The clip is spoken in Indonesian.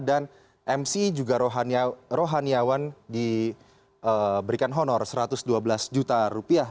dan mc juga rohaniawan diberikan honor satu ratus dua belas juta rupiah